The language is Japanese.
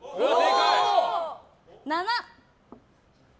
７。